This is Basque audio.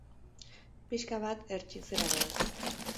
Pixka bat hertsitzera goaz.